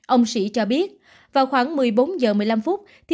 ông sĩ cho biết vào khoảng một mươi bốn giờ một mươi năm phút